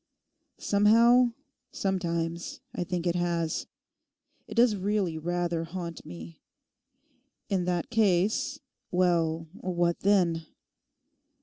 Somehow, sometimes I think it has. It does really rather haunt me. In that case—well, what then?